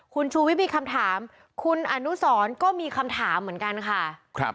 คุณชูวิทย์มีคำถามคุณอนุสรก็มีคำถามเหมือนกันค่ะ